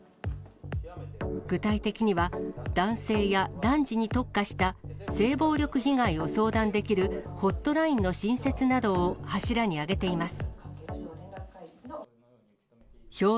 具体的には、男性や男児に特化した性暴力被害を相談できるホットラインの新設などを柱に挙げています。